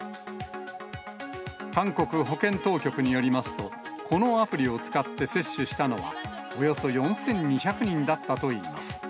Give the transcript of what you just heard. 韓国保健当局によりますと、このアプリを使って接種したのは、およそ４２００人だったといいます。